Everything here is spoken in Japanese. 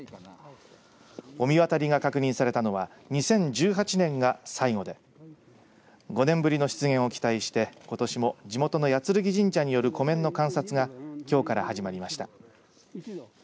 御神渡りが確認されたのは２０１８年が最後で５年ぶりの出現を期待してことしも地元の八劔神社による湖面の観察がきょうから始まりました。